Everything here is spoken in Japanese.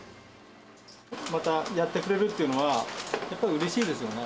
またやってくれるっていうのは、やっぱりうれしいですよね。